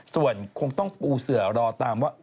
ส่วนคงต้องปูเสือรอตามว่า